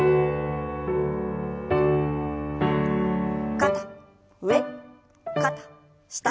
肩上肩下。